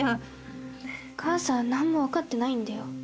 お母さん何も分かってないんだよ。